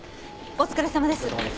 お疲れさまです。